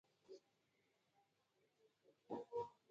سهار وختې مې په سفينه کې ليکلی تحقيق سماوه.